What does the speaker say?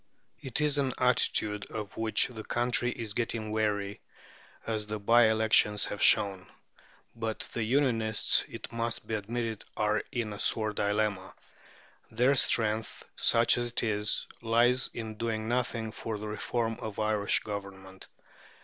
It is an attitude of which the country is getting weary, as the bye elections have shown. But the "Unionists," it must be admitted, are in a sore dilemma. Their strength, such as it is, lies in doing nothing for the reform of Irish Government.